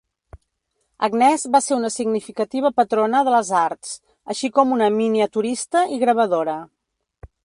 Agnès va ser una significativa patrona de les arts, així com una miniaturista i gravadora.